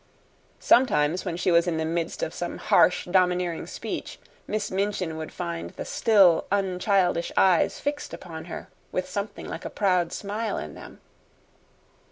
Sometimes, when she was in the midst of some harsh, domineering speech, Miss Minchin would find the still, unchildish eyes fixed upon her with something like a proud smile in them.